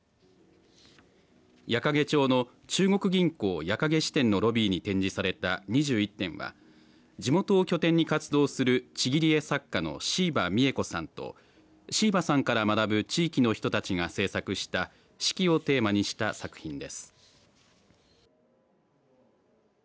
矢掛町の中国銀行矢掛支店のロビーに展示された２１点は地元を拠点に活動するちぎり絵作家の椎葉美恵子さんと椎葉さんから学ぶ地域の人たちが制作した四季をテーマにした作品です。